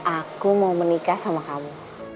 aku mau menikah sama kamu